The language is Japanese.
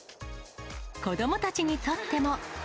子どもたちにとっても。